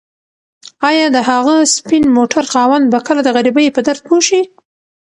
ایا د هغه سپین موټر خاوند به کله د غریبۍ په درد پوه شي؟